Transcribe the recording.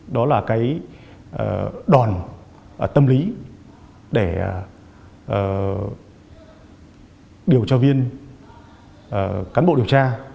đó là cái đòn tâm lý để điều tra viên cán bộ điều tra